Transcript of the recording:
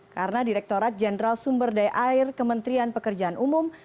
karena direktorat jenderal sumber daya air kementerian pekerjaan umum